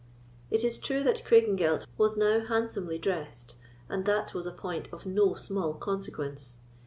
It is true that Craigengelt was now handsomely dressed, and that was a point of no small consequence.